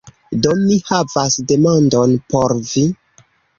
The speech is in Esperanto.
Do, mi havas demandon por vi.